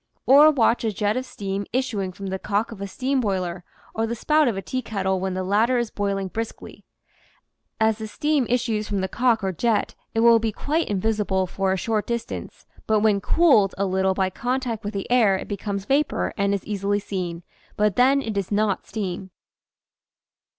Or watch a jet of steam issuing from the cock of a steam boiler or the spout of a teakettle when the latter is boiling briskly; as the steam issues from the cock or jet it will be quite invisible for a short distance, but when cooled a little by contact with the air it becomes vapor and is easily seen, but then it is not steam.